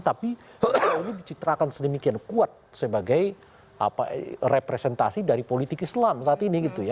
tapi ini dicitrakan sedemikian kuat sebagai representasi dari politik islam saat ini